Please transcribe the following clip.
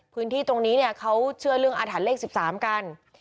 พื้นที่ตรงนี้เนี่ยเขาเชื่อเรื่องอาถรรพ์เลข๑๓กัน